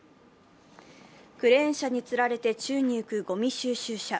クレーン車につられて宙に浮くごみ収集車。